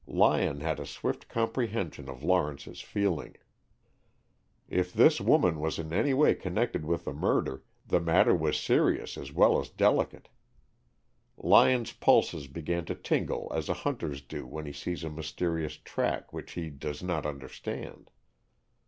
Lyon had a swift comprehension of Lawrence's feeling. If this woman was in any way connected with the murder, the matter was serious as well as delicate. Lyon's pulses began to tingle as a hunter's do when he sees a mysterious "track" which he does not understand.